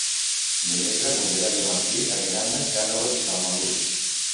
Dimecres en Gerard i en Martí aniran a Cànoves i Samalús.